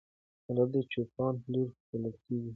ملالۍ د چوپان لور بلل کېږي.